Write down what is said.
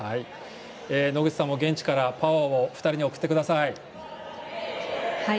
野口さんも現地からパワーを２人に送ってください。